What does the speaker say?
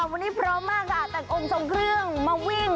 วันนี้พร้อมมากค่ะแต่งองค์ทรงเครื่องมาวิ่ง